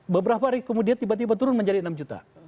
beberapa hari kemudian tiba tiba turun menjadi enam juta